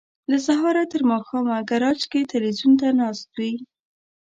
له سهاره تر ماښامه ګراج کې ټلویزیون ته ناست وي.